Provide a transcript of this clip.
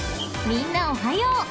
［みんなおはよう。